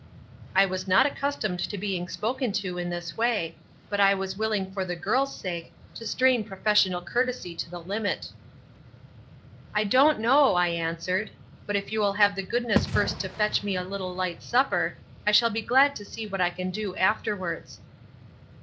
"I was not accustomed to being spoken to in this way, but I was willing for the girl's sake to strain professional courtesy to the limit. "'I don't know,' I answered, 'but if you will have the goodness first to fetch me a little light supper, I shall be glad to see what I can do afterwards.'